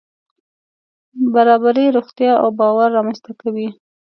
برابري روغتیا او باور رامنځته کوي.